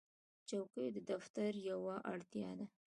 چوکۍ د دفتر یوه اړتیا ده.